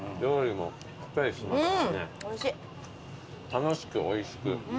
楽しくおいしく。